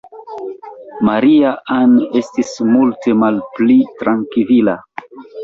Maria-Ann estis multe malpli trankvila.